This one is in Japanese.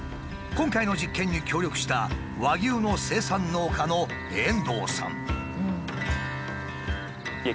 今回の実験に協力した和牛の生産農家の遠藤さん。